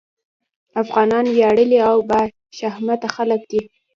افغانان وياړلي او باشهامته خلک دي.